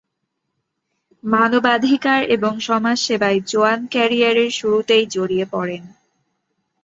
মানবাধিকার এবং সমাজসবায় জোয়ান ক্যারিয়ারের শুরুতেই জড়িয়ে পড়েন।